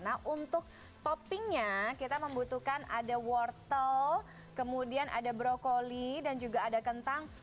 nah untuk toppingnya kita membutuhkan ada wortel kemudian ada brokoli dan juga ada kentang